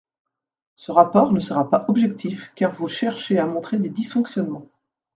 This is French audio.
Ce rapport ne sera pas objectif car vous cherchez à montrer des dysfonctionnements.